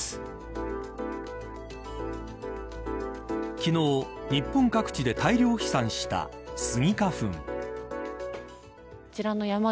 昨日、日本各地で大量飛散したスギ花粉。